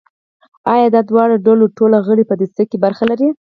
او یا د دواړو ډلو ټول غړي په دسیسه کې برخه لري.